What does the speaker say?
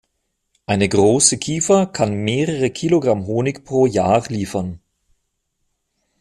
Eine große Kiefer kann mehrere Kilogramm Honig pro Jahr liefern.